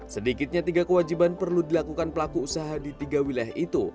sedikitnya tiga kewajiban perlu dilakukan pelaku usaha di tiga wilayah itu